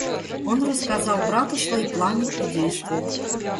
Он рассказал брату свои планы и действия.